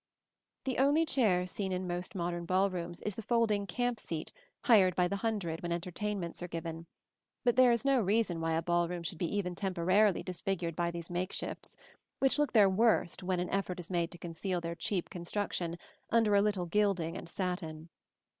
The only chair seen in most modern ball rooms is the folding camp seat hired by the hundred when entertainments are given; but there is no reason why a ball room should be even temporarily disfigured by these makeshifts, which look their worst when an effort is made to conceal their cheap construction under a little gilding and satin.